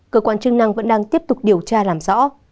cơ quan chức năng vẫn đang tiếp tục điều tra làm rõ